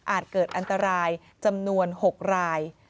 เกิดอันตรายจำนวน๖ราย